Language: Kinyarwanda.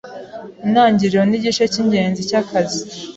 Intangiriro nigice cyingenzi cyakazi.